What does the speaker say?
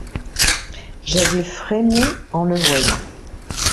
J'avais frémis en le voyant.